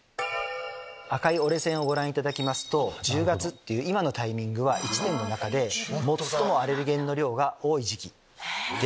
赤い折れ線をご覧いただきますと１０月っていう今のタイミングは一年の中で最もアレルゲンの量が多い時期。